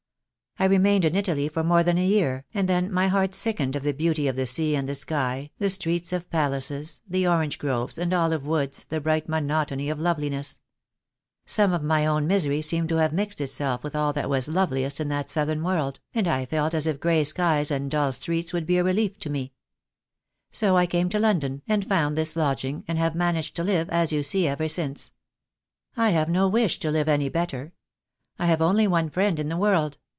I remained in Italy for more than a year, and then my heart sickened of the beauty of the sea and sky, the streets of palaces, the orange groves and olive woods, the bright monotony of loveliness. Some of my owm misery seemed to have mixed itself with all that was loveliest in that Southern world, and I felt as if grey THE DAY WILL COME. 23 I skies and dull streets would be a relief to me. So I came to London, and found this lodging, and have managed to live — as you see — ever since. I have no wish to live any better. I have only one friend in the world.